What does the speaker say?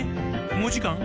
もうじかん？